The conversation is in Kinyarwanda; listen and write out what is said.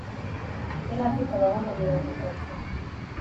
yari afite abahungu mirongo itatu